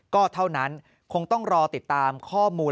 ก็เท่านั้นคงต้องรอติดตามข้อมูล